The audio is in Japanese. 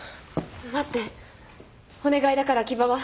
待ってお願いだから木場は。